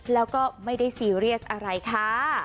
แล้วก็ไม่ได้ซีเรียสอะไรค่ะ